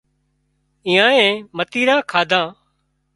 ايئانئي متيران ڪاڌان